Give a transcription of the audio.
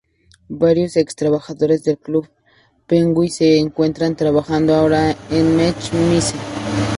Varios ex-trabajadores de Club Penguin se encuentran trabajando ahora en Mech Mice.